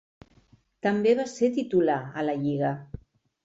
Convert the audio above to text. També va ser titular a la lliga.